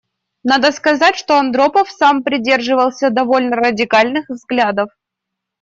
Надо сказать, что Андропов сам придерживался довольно радикальных взглядов.